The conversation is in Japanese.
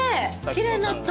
きれいになった。